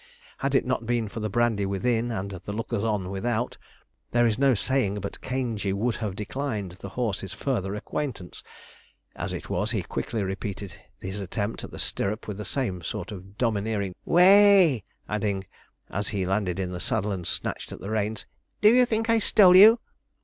Had it not been for the brandy within and the lookers on without, there is no saying but Caingey would have declined the horse's further acquaintance. As it was, he quickly repeated his attempt at the stirrup with the same sort of domineering 'whoay,' adding, as he landed in the saddle and snatched at the reins, 'Do you think I stole you?'